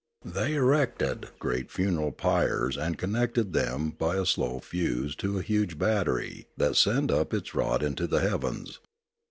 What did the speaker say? They erected great funeral pyres and connected them by a slow fuse to a huge battery that sent up its rod into the heavens.